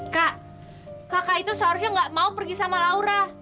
kak kakak itu seharusnya nggak mau pergi sama laura